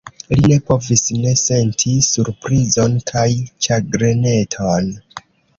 Li ne povis ne senti surprizon kaj ĉagreneton.